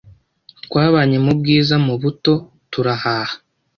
Twabanye mu bwiza, mu buto turahaha